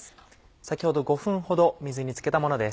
先ほど５分ほど水につけたものです。